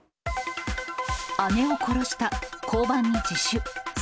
姉を殺した、交番に自首。